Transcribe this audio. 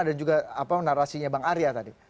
dan juga apa narasinya bang arya tadi